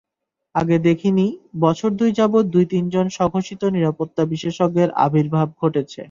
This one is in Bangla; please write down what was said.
আগে দেখিনি, বছর দুই যাবৎ দুই-তিনজন স্বঘোষিত নিরাপত্তা বিশেষজ্ঞের আবির্ভাব ঘটেছে।